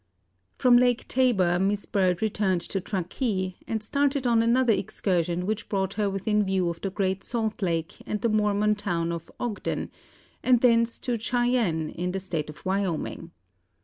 From Lake Tabor Miss Bird returned to Truckee, and started on another excursion which brought her within view of the Great Salt Lake and the Mormon town of Ogden, and thence to Cheyenne, in the State of Wyoming.